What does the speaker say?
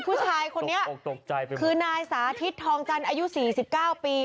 ผู้ชายคนนี้ตกใจไปหมดคือนายสาธิตทองจันทร์อายุ๔๙ปี